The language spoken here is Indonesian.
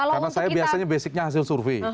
karena saya biasanya basicnya hasil survei